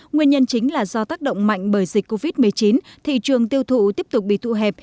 nguyên nhân chính là do tác động mạnh bởi dịch covid một mươi chín thị trường tiêu thụ tiếp tục bị tụ hẹp